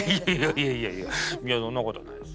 いやいやいやそんなことはないです。